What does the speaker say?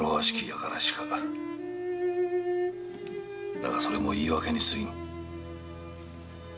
だがそれも言い訳にすぎぬ。